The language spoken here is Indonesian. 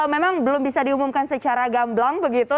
memang belum bisa diumumkan secara gamblang begitu